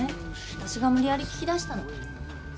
あたしが無理やり聞き出したの。